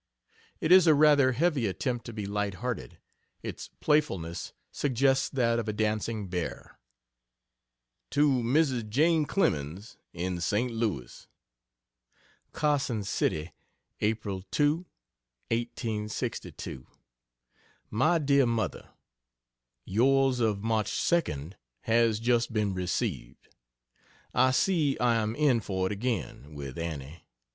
It is a rather heavy attempt to be light hearted; its playfulness suggests that of a dancing bear. To Mrs. Jane Clemens, in St. Louis: CARSON CITY, April 2, 1862. MY DEAR MOTHER, Yours of March 2nd has just been received. I see I am in for it again with Annie.